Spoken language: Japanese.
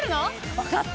わかった。